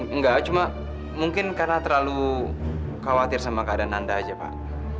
enggak cuma mungkin karena terlalu khawatir sama keadaan anda aja pak